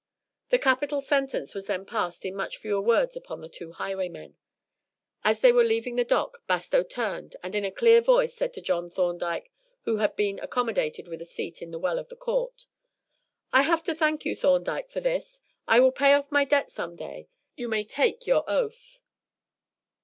The capital sentence was then passed in much fewer words upon the two highwaymen. As they were leaving the dock Bastow turned, and in a clear voice said to John Thorndyke, who had been accommodated with a seat in the well of the court: "I have to thank you, Thorndyke, for this. I will pay off my debt some day, you make take your oath."